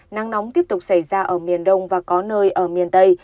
nắng nóng tiếp tục xảy ra ở miền đông và có nơi ở miền tây